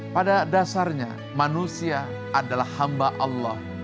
pada dasarnya manusia adalah hamba allah